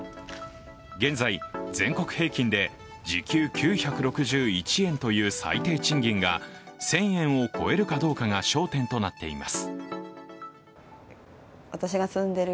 現在、全国平均で時給９６１円という最低賃金が１０００円を超えるかどうかが焦点となっています。